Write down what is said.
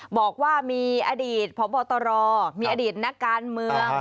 บอกว่ามีอดีตพบตรมีอดีตนักการเมือง